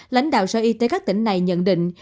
lãnh đạo sở y tế các tỉnh này nhận định